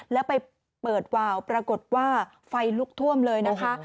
แล้วไปเปิดวาวปรากฏว่าไฟลุกท่วมเลยนะคะ